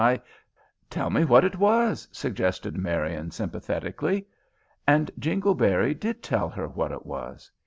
I " "Tell me what it was," suggested Marian, sympathetically; and Jingleberry did tell her what it was.